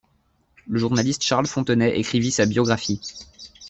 Le journaliste Charles Fontenay écrivit sa biographie.